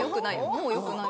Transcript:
もうよくない。